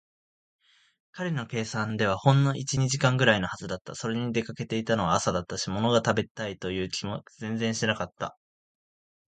彼の計算ではほんの一、二時間ぐらいのはずだった。それに、出かけたのは朝だったし、ものが食べたいという気も全然しなかった。